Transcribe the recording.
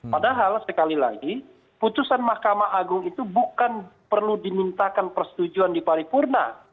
padahal sekali lagi putusan mahkamah agung itu bukan perlu dimintakan persetujuan di paripurna